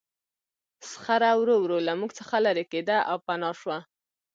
صخره ورو ورو له موږ څخه لیرې کېده او پناه شوه.